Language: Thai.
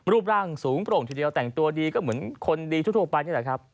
รูปร่างสูงโปร่งทีเดียวแต่งตัวดีก็เหมือนคนดีทั่วไปนี่แหละครับ